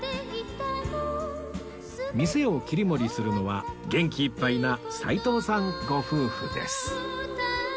店を切り盛りするのは元気いっぱいな斉藤さんご夫婦です